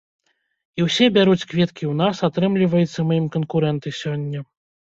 І ўсе бяруць кветкі ў нас, атрымліваецца, мы ім канкурэнты сёння.